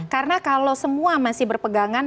karena kalau semua masih berpegangan